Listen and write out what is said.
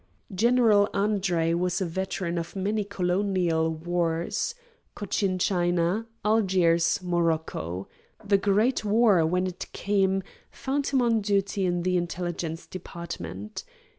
General Andre was a veteran of many Colonial wars: Cochin China, Algiers, Morocco. The great war, when it came, found him on duty in the Intelligence Department.